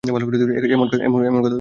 এমন কথা আমি আগে কখনো শুনিনি।